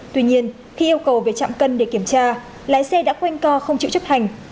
tuy nhiên khi yêu cầu về trạm cân để kiểm tra lái xe đã quanh co không chịu chấp hành